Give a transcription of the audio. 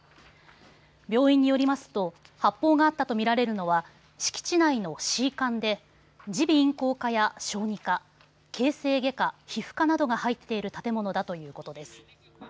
病院によりますと発砲があったと見られるのは敷地内のＣ館で耳鼻咽喉科や小児科、形成外科、皮膚科などが入っている建物だということです。